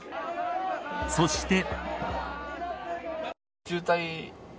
そして。